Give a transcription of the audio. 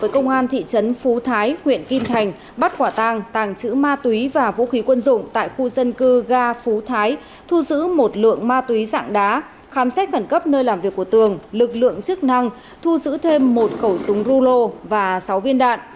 công an thị trấn phú thái huyện kim thành bắt quả tàng tàng trữ ma túy và vũ khí quân dụng tại khu dân cư ga phú thái thu giữ một lượng ma túy dạng đá khám xét khẩn cấp nơi làm việc của tường lực lượng chức năng thu giữ thêm một khẩu súng rulo và sáu viên đạn